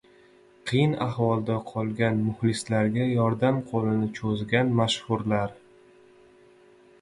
Qiyin ahvolda qolgan muxlislariga yordam qo‘lini cho‘zgan mashhurlar